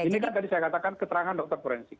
ini kan tadi saya katakan keterangan dokter forensik